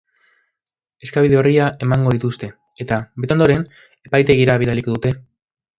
Eskabide-orria emango dizute eta, bete ondoren, epaitegira bidaliko dute.